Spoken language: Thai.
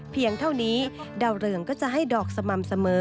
เพียงเท่านี้ดาวเรืองก็จะให้ดอกสม่ำเสมอ